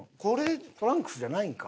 トランクスじゃないんか？